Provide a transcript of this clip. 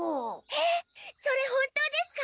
えっそれ本当ですか？